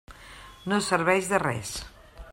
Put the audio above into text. No serveix de res.